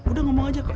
udah ngomong aja kok